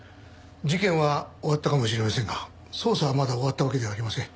事件は終わったかもしれませんが捜査はまだ終わったわけではありません。